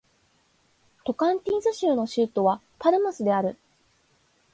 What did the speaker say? トカンティンス州の州都はパルマスである